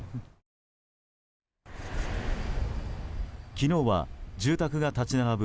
昨日は住宅が立ち並ぶ